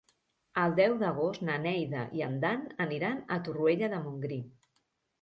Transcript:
El deu d'agost na Neida i en Dan aniran a Torroella de Montgrí.